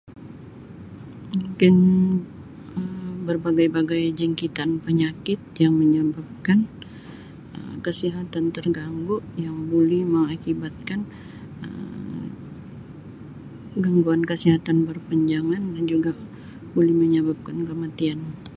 Mungkin Um berbagai-bagai jangkitan penyakit yang menyebabkan Um kesihatan terganggu yang buli mengakibatkan Um gangguan kesihatan berpanjangan dan juga boleh menyebabkan kematian.